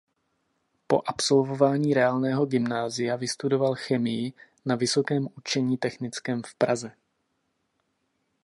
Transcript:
Po absolvování reálného gymnázia vystudoval chemii na Vysokém učení technickém v Praze.